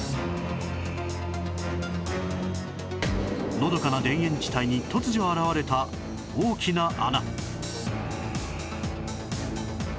のどかな田園地帯に突如現れた大きな穴